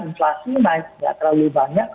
inflasi naik nggak terlalu banyak